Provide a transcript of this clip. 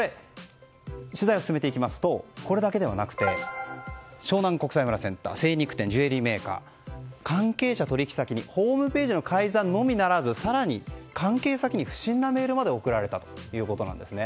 取材を進めていきますとこれだけではなくて湘南国際村センター、精肉店ジュエリーメーカー関係者、取引先にホームページの改ざんのみならず更には関係先に不審なメールが送られたんです。